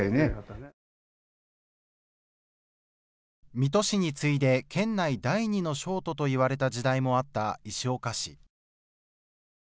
水戸市に次いで県内第２の商都といわれた時代もあった石岡市。